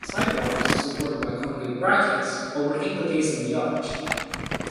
Sidewalks, supported by concrete brackets, overhang the face of the arch.